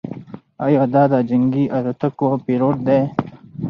ایا ده د جنګي الوتکو پیلوټ دی؟